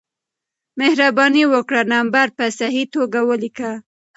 مهربانې وکړه نمبر په صحیح توګه ولېکه